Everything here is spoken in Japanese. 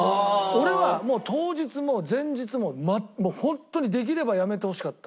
俺は当日も前日ももうホントにできればやめてほしかった。